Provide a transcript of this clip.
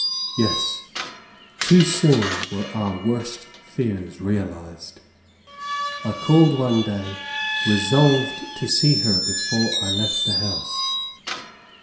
Yes, too soon were our worst fears realized. I called one day resolved to see her before I left the house.